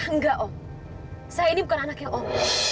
enggak om saya ini bukan anaknya om